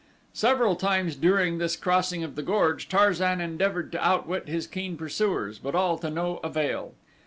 Several times during this crossing of the gorge Tarzan endeavored to outwit his keen pursuers, but all to no avail.